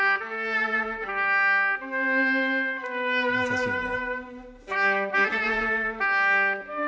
優しいね。